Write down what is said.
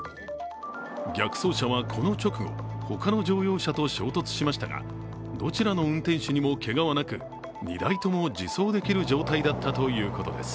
逆走車はこの直後他の乗用車と衝突しましたがどちらの運転手にもけがはなく２台とも自走できる状態だったということです。